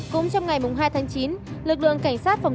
cũng trong ngày hai tháng chín lực lượng cảnh sát phòng